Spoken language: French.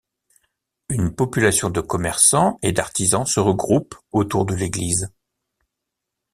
Une population de commerçants et d'artisans se regroupe autour de l'église.